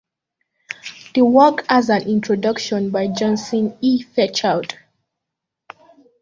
The work has an introduction by Johnson E. Fairchild.